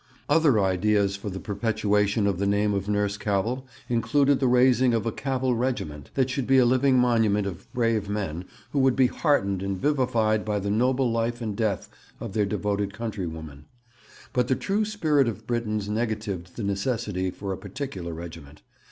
Other ideas for the perpetuation of the name of Nurse Cavell included the raising of a Cavell Regiment, that should be a living monument of brave men, who would be heartened and vivified by the noble life and death of their devoted countrywoman. But the true spirit of Britons negatived the necessity for a particular regiment.